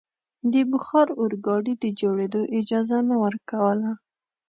د بخار اورګاډي د جوړېدو اجازه نه ورکوله.